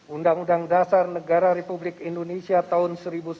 undang undang dasar negara republik indonesia tahun seribu sembilan ratus empat puluh